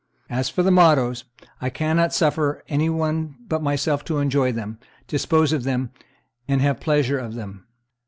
As for the mottoes, I cannot suffer any one but myself to enjoy them, dispose of them, and have the pleasure of them."